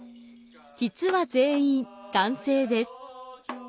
実は、全員男性です。